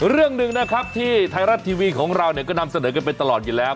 เรื่องหนึ่งนะครับที่ไทยรัฐทีวีของเราก็นำเสนอกันไปตลอดอยู่แล้ว